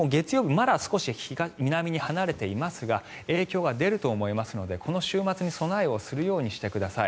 まだ少し南に離れていますが影響が出ると思いますのでこの週末に備えをするようにしてください。